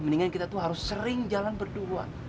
mendingan kita tuh harus sering jalan berdua